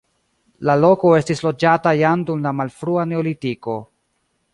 La loko estis loĝata jam dum la malfrua neolitiko.